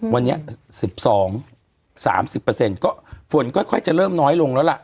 วันนี้สิบสองสามสิบเปอร์เซ็นต์ก็ฝนก็ค่อยค่อยจะเริ่มน้อยลงแล้วละ